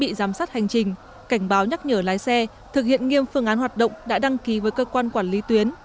bị giám sát hành trình cảnh báo nhắc nhở lái xe thực hiện nghiêm phương án hoạt động đã đăng ký với cơ quan quản lý tuyến